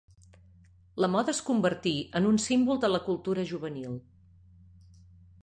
La moda es convertí en un símbol de la cultura juvenil.